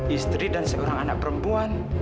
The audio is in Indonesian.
istri dan seorang anak perempuan